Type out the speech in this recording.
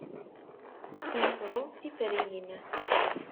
Tesmesdeḍ tiferyin.